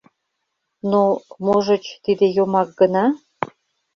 Но, можыч, тиде йомак гына?